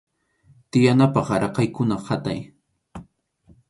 Tiyanapaq raqaykuna qatay.